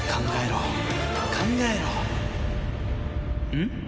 うん？